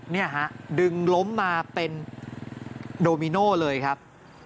เนี่ยฮะดึงล้มมาเป็นโดมิโน่เลยครับ